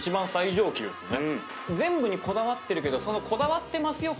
全部にこだわってるけどそのこだわってますよ